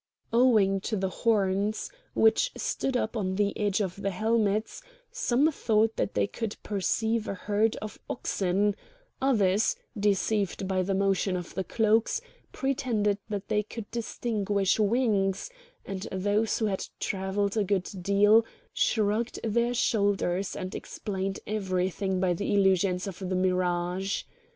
Owing to the horns, which stood up on the edge of the helmets, some thought that they could perceive a herd of oxen; others, deceived by the motion of the cloaks, pretended that they could distinguish wings, and those who had travelled a good deal shrugged their shoulders and explained everything by the illusions of the mirage.